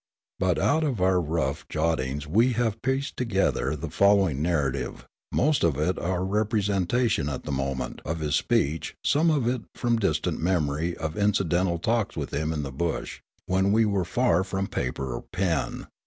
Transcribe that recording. But out of our rough jottings we have pieced together the following narrative, most of it our representation at the moment of his speech, some of it from the distant memory of incidental talks with him in the bush, when we were far from paper or pen.